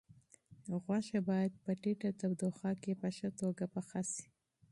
غوښه باید په ټیټه تودوخه کې په ښه توګه پخه شي.